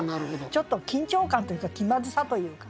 ちょっと緊張感というか気まずさというかね。